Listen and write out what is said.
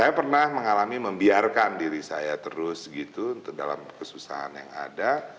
saya pernah mengalami membiarkan diri saya terus gitu untuk dalam kesusahan yang ada